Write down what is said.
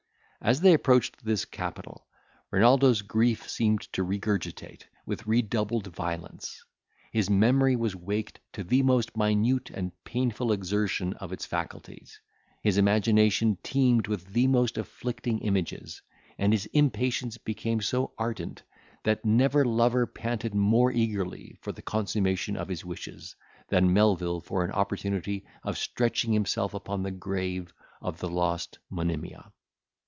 As they approached this capital, Renaldo's grief seemed to regurgitate with redoubled violence. His memory was waked to the most minute and painful exertion of its faculties; his imagination teemed with the most afflicting images, and his impatience became so ardent, that never lover panted more eagerly for the consummation of his wishes, than Melvil, for an opportunity of stretching himself upon the grave of the lost Monimia.